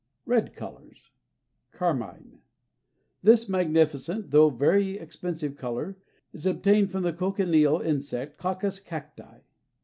RED COLORS. Carmine. This magnificent, though very expensive color is obtained from the cochineal insect, Coccus cacti.